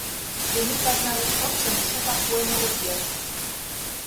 Тений казна гыч пырчым шукак пуэн огыт керт.